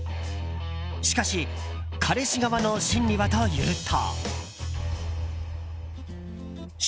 しかし彼氏側の心理はというと。